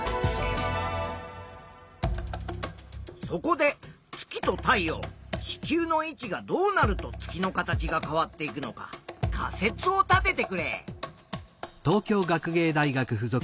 そこで月と太陽地球の位置がどうなると月の形が変わっていくのか仮説を立ててくれ。